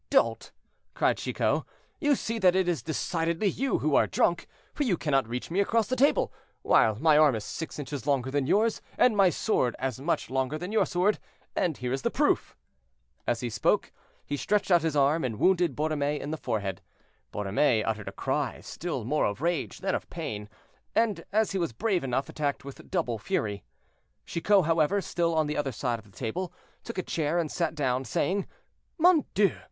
"Dolt!" cried Chicot, "you see that it is decidedly you who are drunk, for you cannot reach me across the table, while my arm is six inches longer than yours, and my sword as much longer than your sword; and here is the proof." As he spoke, he stretched out his arm and wounded Borromée in the forehead. Borromée uttered a cry, still more of rage than of pain, and as he was brave enough, attacked with double fury. Chicot, however, still on the other side of the table, took a chair and sat down, saying, "Mon Dieu!